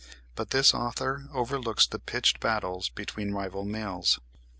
But this author overlooks the pitched battles between rival males.